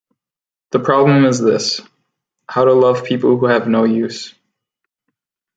The problem is this: How to love people who have no use.